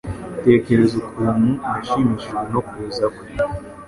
Tekereza ukuntu nashimishijwe no kuza kwe